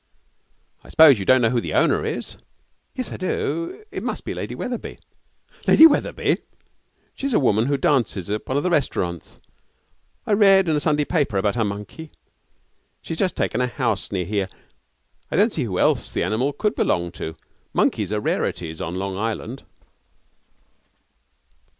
'I suppose you don't know who the owner is?' 'Yes, I do; it must be Lady Wetherby.' 'Lady Wetherby!' 'She's a woman who dances at one of the restaurants. I read in a Sunday paper about her monkey. She has just taken a house near here. I don't see who else the animal could belong to. Monkeys are rarities on Long Island.'